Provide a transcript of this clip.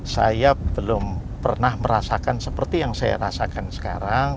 saya belum pernah merasakan seperti yang saya rasakan sekarang